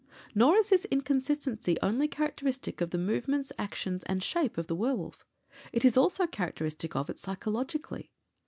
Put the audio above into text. Nor is this inconsistency only characteristic of the movements, actions, and shape of the werwolf. It is also characteristic of it psychologically.